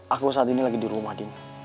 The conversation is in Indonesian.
aku saat ini sedang di rumah